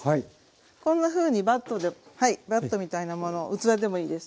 こんなふうにバットではいバットみたいなものを器でもいいです。